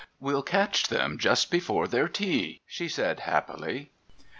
"We'll catch them just before their tea," she said happily.